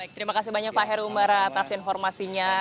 terima kasih banyak pak heru umbara atas informasinya